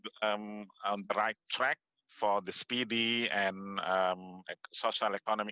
jadi apakah pengaruhannya